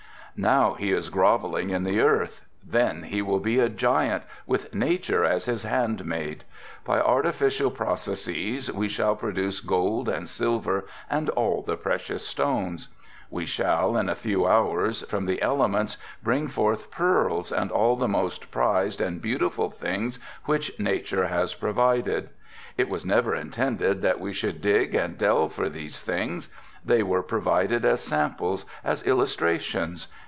"Now he is grovelling in the earth, then he will be a giant, with nature as his hand maid. By artificial processes we shall produce gold and silver and all the precious stones. We shall, in a few hours, from the elements, bring forth pearls and all the most prized and beautiful things which nature has provided. It was never intended that we should dig and delve for these things, they were provided as samples, as illustrations.